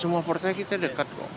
semua partai kita dekat kok